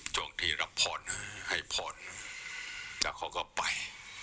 จงที่รับพรให้พรแต่เขาก็ไป